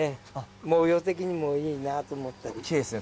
模様的にもいいなと思ったりきれいですね